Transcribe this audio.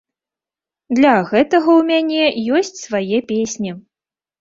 Для гэтага ў мяне ёсць свае песні.